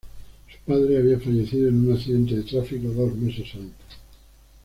Su padre había fallecido en un accidente de tráfico dos meses antes.